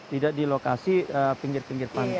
tidak di lokasi pinggir pinggir pantai